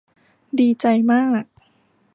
ดีใจมาก